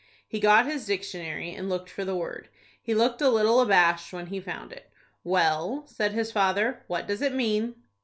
He got his dictionary, and looked for the word. He looked a little abashed when he found it. "Well," said his father, "what does it mean?"